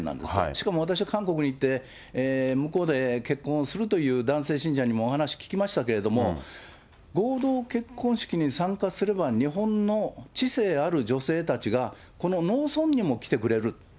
しかも私は韓国に行って、向こうで結婚をするという男性信者にもお話聞きましたけれども、合同結婚式に参加すれば、日本の知性ある女性たちがこの農村にも来てくれる。